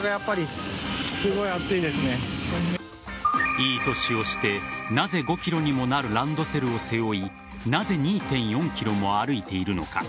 いい年をしてなぜ５ｋｇにもなるランドセルを背負いなぜ２．４ｋｍも歩いているのか。